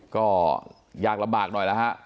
ก็ยากลำบากหน่อยแล้วฮะ